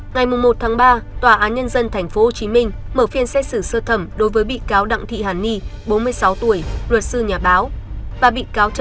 ngày một ba tòa án nhân dân tp hcm mở phiên xét xử sơ thẩm đối với bị cáo đặng thị hàn ni bốn mươi sáu tuổi luật sư nhà báo